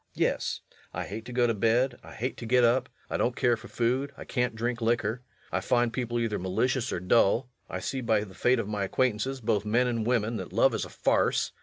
Yes I hate to go to bed I hate to get up I don't care for food I can't drink liquor I find people either malicious or dull I see by the fate of my acquaintances, both men and women, that love is a farce.